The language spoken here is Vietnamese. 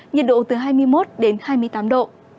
nhiệt độ từ hai mươi một đến hai mươi tám độ